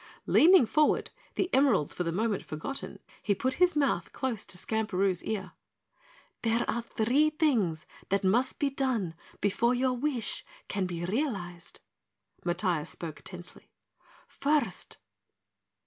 Leaning forward, the emeralds for the moment forgotten, he put his mouth close to Skamperoo's ear. "There are three things that must be done before your wish can be realized." Matiah spoke tensely. "First